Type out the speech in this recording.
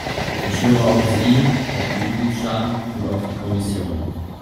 Ich höre auf Sie, auf die Mitgliedstaaten, und auf die Kommission.